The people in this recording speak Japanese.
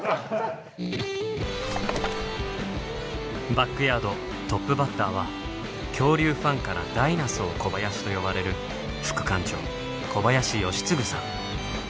バックヤードトップバッターは恐竜ファンからダイナソー小林と呼ばれる副館長小林快次さん。